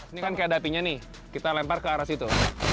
ini kan kayak ada apinya nih kita lempar ke arah situ